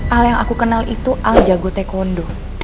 al yang aku kenal itu al jago tekondo